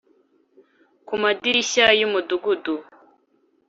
ku madirishya yumudugudu